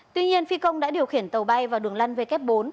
tuy nhiên phi công đã điều khiển tàu bay vào đường lăn w bốn